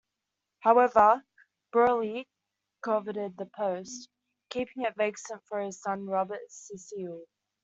However, Burghley coveted the post, keeping it vacant for his son Robert Cecil.